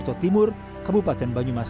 gimana itu ceritanya